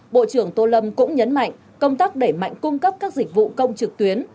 bộ trưởng tô lâm cũng nhấn mạnh công tác đẩy mạnh cung cấp các dịch vụ công trực tuyến